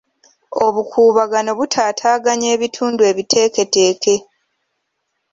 Obukuubagano butaataaganya ebitundu ebiteeketeeke.